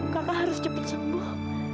kakak harus cepat sembuh